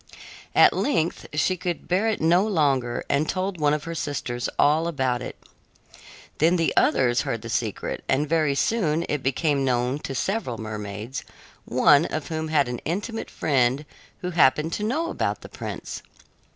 At length she could bear it no longer and told one of her sisters all about it. Then the others heard the secret, and very soon it became known to several mermaids, one of whom had an intimate friend who happened to know about the prince.